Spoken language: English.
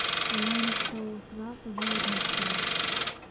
The lone of soul throughout the world must go.